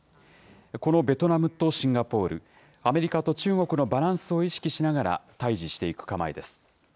このベトナムとシンガポール、アメリカと中国のバランスを意識しながら対じしていく構えです。